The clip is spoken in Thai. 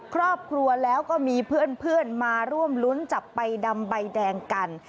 ครอบครัวแล้วก็มีเพื่อนมาร่วมรุ้นจับใบดำใบแดงกัน